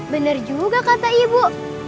bener juga kata ibu